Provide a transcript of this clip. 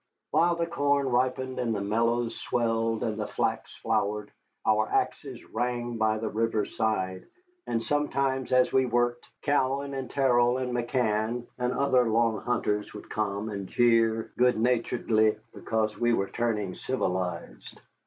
While the corn ripened and the melons swelled and the flax flowered, our axes rang by the river's side; and sometimes, as we worked, Cowan and Terrell and McCann and other Long Hunters would come and jeer good naturedly because we were turning civilized.